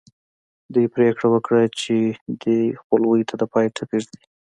دوی پرېکړه وکړه چې دې خپلوۍ ته د پای ټکی ږدي